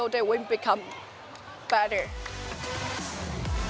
jadi setiap hari kita menjadi lebih baik